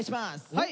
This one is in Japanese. はい。